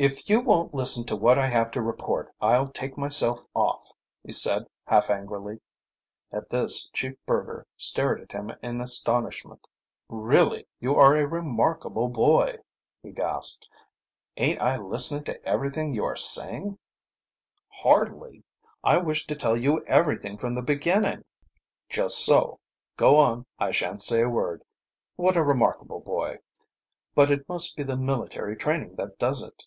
"If you won't listen to what I have to report, I'll take myself off," he said half angrily. At this Chief Burger stared at him in astonishment. "Really, you are a remarkable boy," he gasped. "Ain't I listening to everything you are saying?" "Hardly. I wish to tell you everything from the beginning." "Just so. Go on, I shan't say a word. What a remarkable boy! But it must be the military training that does it."